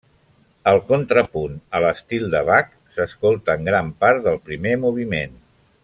El contrapunt a l'estil de Bach s'escolta en gran part del primer moviment.